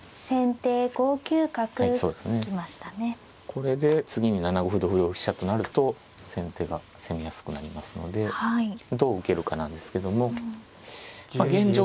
これで次に７五歩同歩同飛車となると先手が攻めやすくなりますのでどう受けるかなんですけども現状